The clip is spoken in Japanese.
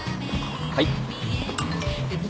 はい。